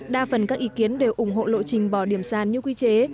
đa phần các ý kiến đều ủng hộ lộ trình bỏ điểm sàn như quy chế